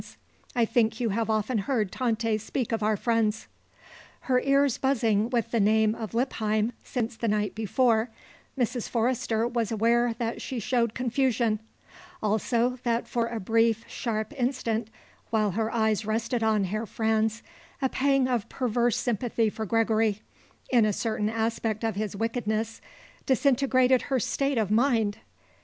I think you have often heard Tante speak of our friends." Her ears buzzing with the name of Lippheim since the night before, Mrs. Forrester was aware that she showed confusion, also that for a brief, sharp instant, while her eyes rested on Herr Franz, a pang of perverse sympathy for Gregory, in a certain aspect of his wickedness, disintegrated her state of mind.